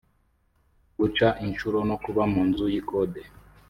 guca incuro no kuba mu nzu y’ikode